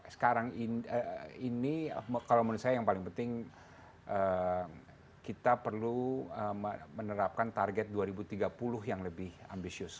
sekarang ini kalau menurut saya yang paling penting kita perlu menerapkan target dua ribu tiga puluh yang lebih ambisius